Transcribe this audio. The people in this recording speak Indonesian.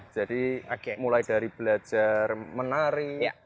jadi mulai dari belajar menari